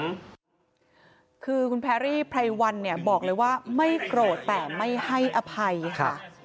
คือคุณแพรรี่ไพรวันเนี่ยบอกเลยว่าไม่โกรธแต่ไม่ให้อภัยค่ะ